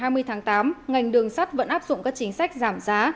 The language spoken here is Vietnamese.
ngày hai mươi tháng tám ngành đường sắt vẫn áp dụng các chính sách giảm giá